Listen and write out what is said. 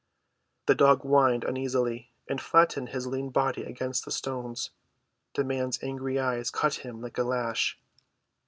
The dog whined uneasily, and flattened his lean body against the stones. The man's angry eyes cut him like a lash.